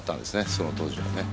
その当時はね。